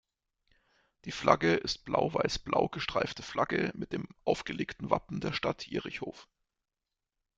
Die Flagge ist blau-weiß-blau gestreifte Flagge mit dem aufgelegten Wappen der Stadt Jerichow.